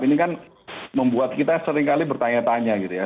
ini kan membuat kita seringkali bertanya tanya gitu ya